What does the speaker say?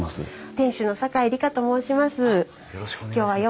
店主の酒井里香と申します。